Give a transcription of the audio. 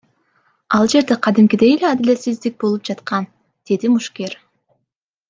Ал жерде кадимкидей эле адилетсиздик болуп жаткан, — деди мушкер.